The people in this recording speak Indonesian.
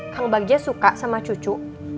kang bagja suka sama cucu